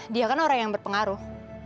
dia kan orang yang berpengaruh